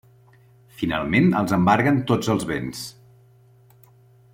Finalment els embarguen tots els béns.